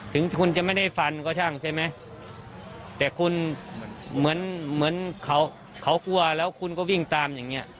ถึงคุณจะไม่ได้ฟันก็ช่างใช่ไหมแต่คุณเหมือนเหมือนเขาเขากลัวแล้วคุณก็วิ่งตามอย่างเงี้